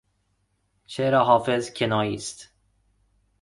شعر حافظ کنایی است.